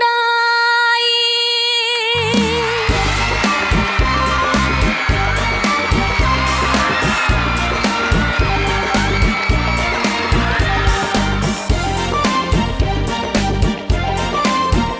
แชมป์สายนี้มันก็น่าจะไม่ไกลมือเราสักเท่าไหร่ค่ะ